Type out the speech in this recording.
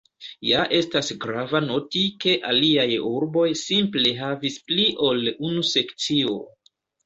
Ja estas grava noti ke aliaj urboj simple havis pli ol unu sekcio.